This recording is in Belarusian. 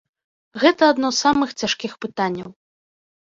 Гэта адно з самых цяжкіх пытанняў.